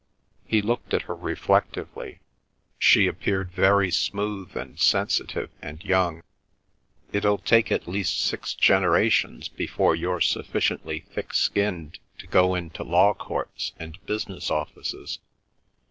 He looked at her reflectively. She appeared very smooth and sensitive and young. "It'll take at least six generations before you're sufficiently thick skinned to go into law courts and business offices.